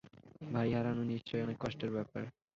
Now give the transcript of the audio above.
ভাই হারানো, নিশ্চয়ই অনেক কষ্টের ব্যাপার।